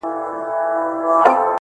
جرسونه به شرنګیږي د وطن پر لویو لارو،